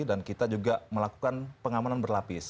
dan kita juga melakukan pengamanan berlapis